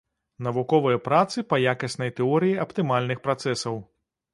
Навуковыя працы па якаснай тэорыі аптымальных працэсаў.